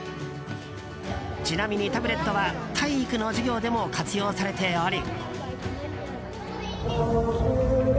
ちなみに、タブレットは体育の授業でも活用されており。